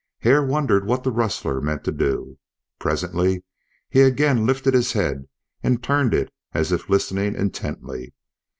Hare wondered what the rustler meant to do. Presently he again lifted his head and turned it as if listening intently.